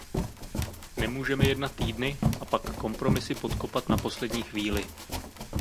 Nemůžeme jednat týdny a pak kompromisy podkopat na poslední chvíli.